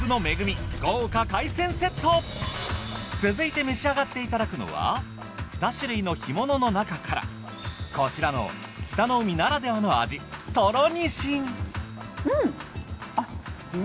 続いて召し上がっていただくのは２種類の干物のなかからこちらの北の海ならではの味トロにしん。